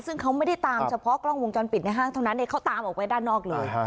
ซึ่งเขาไม่ได้ตามเฉพาะกล้องวงจรปิดในห้างเท่านั้นเขาตามออกไปด้านนอกเลย